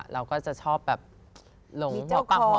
เราก็จะชอบแบบหลงหัวปังหัวปัง